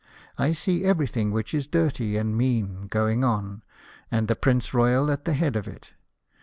I see everything which is dirty and mean going on, and the Prince Royal at the head of it.